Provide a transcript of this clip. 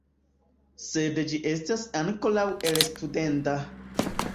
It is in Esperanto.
Sed ĝi estas ankoraŭ elstudenda.